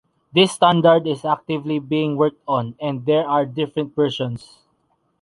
This standard is actively being worked on and there are different versions.